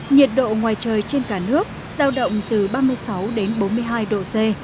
nhiệt độ ngoài trời trên cả nước giao động từ ba mươi sáu đến bốn mươi hai độ c